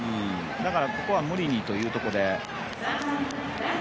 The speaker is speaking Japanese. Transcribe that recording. だからここは無理にというところで。